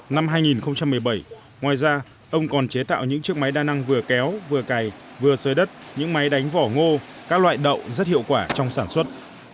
năm hai nghìn một mươi bảy ngoài ra ông còn chế tạo những chiếc máy đa năng vừa kéo vừa cày vừa sới đất những máy đánh vỏ ngô các loại đậu rất hiệu quả trong sản xuất